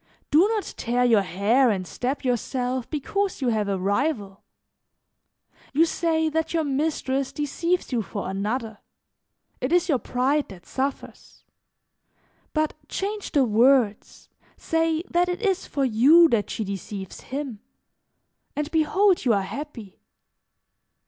"Do not tear your hair and stab yourself because you have a rival. You say that your mistress deceives you for another; it is your pride that suffers; but change the words, say that it is for you that she deceives him, and behold you are happy.